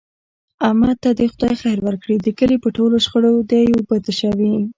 احمد ته دې خدای خیر ورکړي د کلي په ټولو شخړو دی اوبه تشوي.